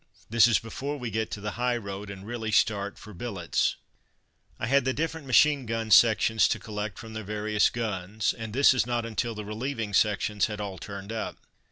This is before we get to the high road, and really start for billets. I had the different machine gun sections to collect from their various guns, and this not until the relieving sections had all turned up.